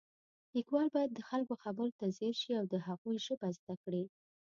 لیکوال باید د خلکو خبرو ته ځیر شي او د هغوی ژبه زده کړي